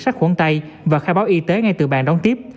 sát khuẩn tay và khai báo y tế ngay từ bàn đón tiếp